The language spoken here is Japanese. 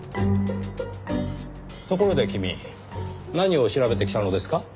ところで君何を調べてきたのですか？